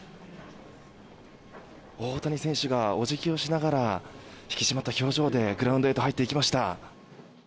大谷選手がお辞儀をしながら引き締まった表情でグラウンドへと入っていきました。